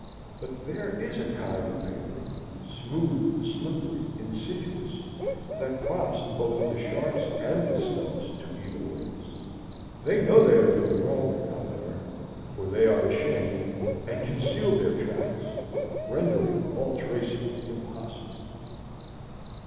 But there is a kind of paper smooth, slippery, insidious that prompts both the Sharps and the Stubbs to evil ways. They know they are doing wrong, however; for they are ashamed, and conceal their tracks, rendering all tracing impossible.